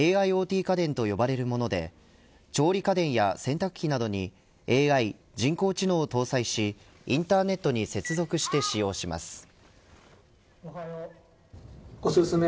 家電と呼ばれるもので調理家電や洗濯機などにＡＩ人工知能を搭載しインターネットに接続して使用します。